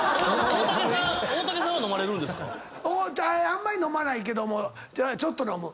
あんまり飲まないけどもちょっと飲む。